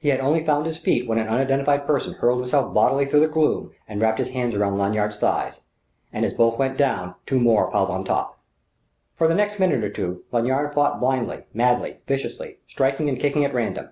He had only found his feet when an unidentified person hurled himself bodily through the gloom and wrapped his arms round Lanyard's thighs. And as both went down, two others piled up on top.... For the next minute or two, Lanyard fought blindly, madly, viciously, striking and kicking at random.